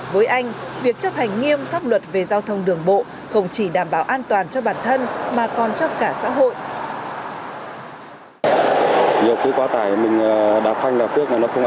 với anh việc chấp hành nghiêm pháp luật về giao thông đường bộ không chỉ đảm bảo an toàn cho bản thân mà còn cho cả xã hội